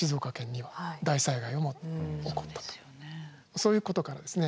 そういうことからですね